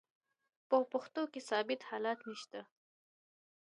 په پښتو کښي ثابت حالت نسته.